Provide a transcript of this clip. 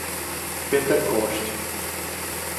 Pentecoste